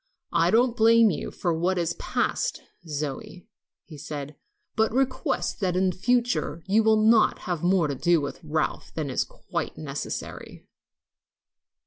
"I don't blame you for what is past, Zoe," he said, "but request that in future you will not have more to do with Ralph than is quite necessary."